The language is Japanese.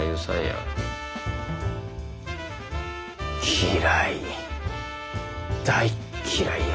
嫌い大嫌いや。